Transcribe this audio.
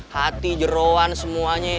hati jerawan semuanya